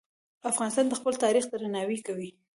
افغانستان د خپل تاریخ درناوی کوي.